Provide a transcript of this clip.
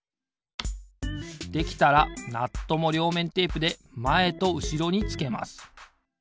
できたらナットもりょうめんテープでまえとうしろにつけます。